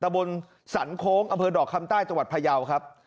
บนสรรโค้งอำเภอดอกคำใต้จังหวัดพยาวครับ